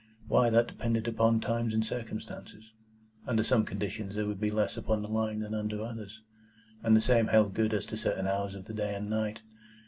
Why, that depended upon times and circumstances. Under some conditions there would be less upon the Line than under others, and the same held good as to certain hours of the day and night.